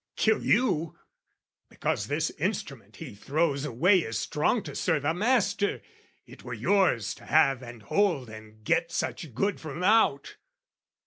kill you! Because this instrument he throws away Is strong to serve a master: it were yours To have and hold and get such good from out!